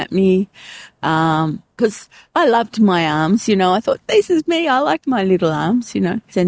karena saya menyukai tangan saya saya pikir ini adalah saya saya suka tangan kecil saya